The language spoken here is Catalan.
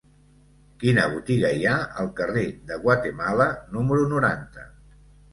Quina botiga hi ha al carrer de Guatemala número noranta?